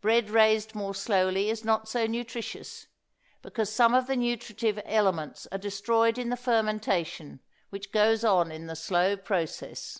Bread raised more slowly is not so nutritious, because some of the nutritive elements are destroyed in the fermentation which goes on in the slow process.